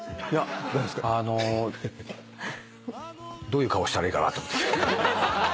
どういう顔をしたらいいかなと。